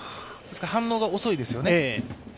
反応が遅いですよね。